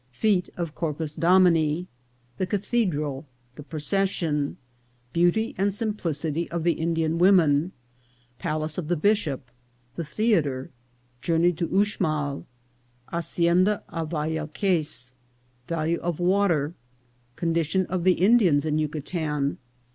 — Fflte of Corpus Dom ini.— The Cathedral. — The Procession. — Beauty and Simplicity of the Indian Women.— Palace of the Bishop. — The Theatre.— Journey to Uxmal. — Ha cienda of Vayalquex. — Value of Water. — Condition of the Indians in Yuca tan.